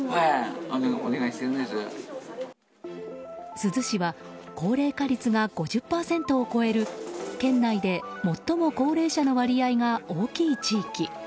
珠洲市は高齢化率が５０％を超える県内で最も高齢者の割合が大きい地域。